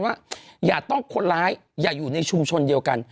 ว่าอย่าต้องคนร้ายอย่าอยู่ในชุมชนเดียวกัน